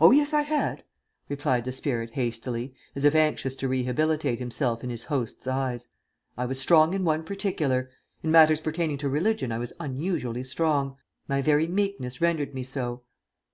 "Oh, yes, I had," replied the spirit hastily, as if anxious to rehabilitate himself in his host's eyes. "I was strong in one particular. In matters pertaining to religion I was unusually strong. My very meekness rendered me so."